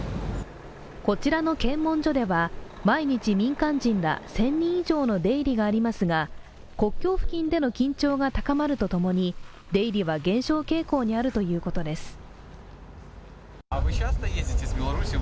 こちらの検問所では毎日民間人ら１０００人以上の出入りがありますが、国境付近での緊張が高まるとともに出入りは減少傾向にあるということです。